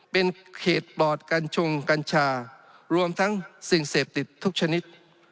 เป็นเขตปลอดกัญชงกัญชารวมทั้งสิ่งเสพติดทุกชนิด